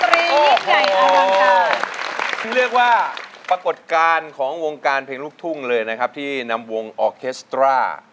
เรียกว่าปรากฏการณ์ของวงการเพลงลูกทุ่งเลยนะครับที่นำวงออเคสตรา